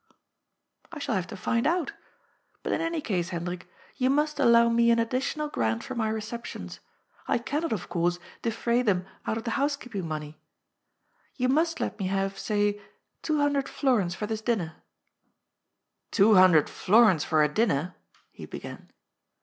" I shall have to find out. But in any case, Hendrik, you must allow me an additional grant for my receptions. I cannot, of course, defray them out of the housekeeping 186 GOD'S FOOL. money. You must let me have, say, two hundred florins for this dinner "" Two hundred florins for a dinner I " he began.